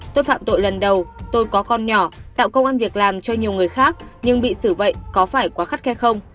tôi phạm tội lần đầu tôi có con nhỏ tạo công an việc làm cho nhiều người khác nhưng bị xử vậy có phải quá khắt khe không